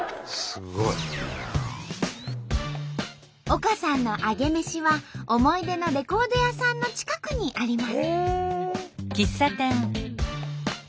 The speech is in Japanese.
丘さんのアゲメシは思い出のレコード屋さんの近くにあります。